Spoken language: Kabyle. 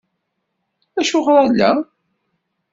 Acuɣer ala?